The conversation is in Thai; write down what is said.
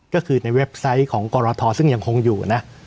ก็คือในเว็บไซต์ของกรทซึ่งยังคงอยู่นะ